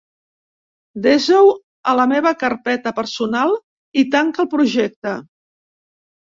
Desa-ho a la meva carpeta personal i tanca el projecte.